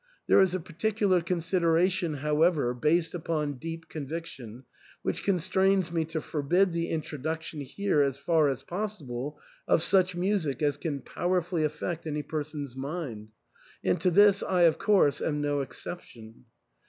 There is a particular consideration, however, based upon deep conviction, which constrains me to forbid the introduction here as far as possible of such music as can powerfully affect any person's mind, and to this I of course am no exception.